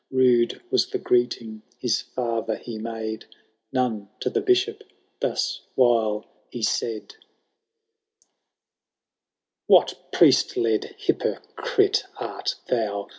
Rude was the greeting his father he made. None to the Bishop, — awhile thus he said :•— IX. *' What priest led hypocrite art thou.